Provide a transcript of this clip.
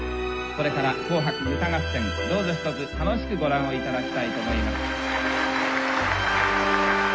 これから「紅白歌合戦」どうぞひとつ楽しくご覧をいただきたいと思います。